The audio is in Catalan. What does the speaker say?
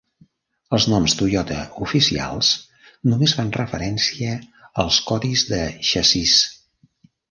Els noms Toyota oficials només fan referència als codis de xassís.